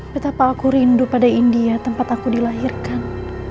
betapa aku rindu pada india tempat aku dilahirkan